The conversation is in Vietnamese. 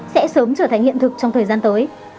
sẽ sớm trở thành hiện thực trong thời gian tới